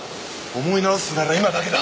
思い直すなら今だけだ。